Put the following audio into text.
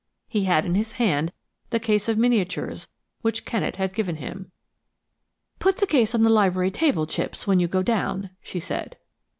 He had in his hand the case of miniatures which Kennet had given him. "Put the case on the library table, Chipps, when you go down," she said.